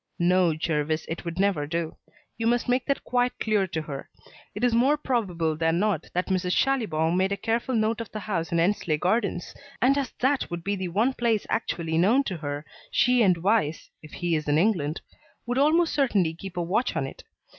"No, Jervis, it would never do. You must make that quite clear to her. It is more probable than not that Mrs. Schallibaum made a careful note of the house in Endsley Gardens, and as that would be the one place actually known to her, she and Weiss if he is in England would almost certainly keep a watch on it.